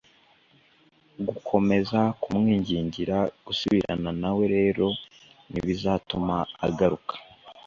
Gukomeza kumwingingira gusubirana nawe rero ntibizatuma agaruka